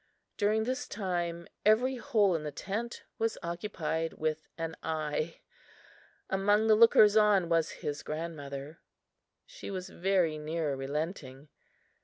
During this time every hole in the tent was occupied with an eye. Among the lookers on was his grandmother. She was very near relenting.